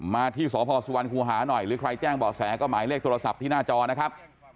มาที่สพสุวรรคูหาหน่อยหรือใครแจ้งเบาะแสก็หมายเลขโทรศัพท์ที่หน้าจอนะครับ